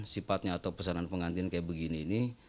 sifatnya atau pesanan pengantin kayak begini ini